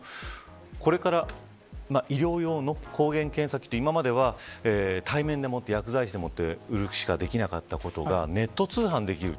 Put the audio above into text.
これから医療用の抗原検査キット今までは対面で、薬剤師で売るしかできなかったことがネット通販でできる。